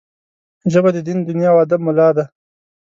ژبه د دین، دنیا او ادب ملا ده